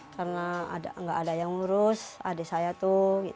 karena enggak ada yang ngurus adik saya tuh gitu